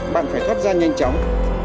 bạn phải thoát ra nhanh chóng